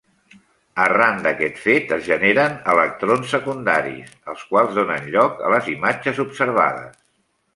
Arran d'aquest fet, es generen electrons secundaris, els quals donen lloc a les imatges observades.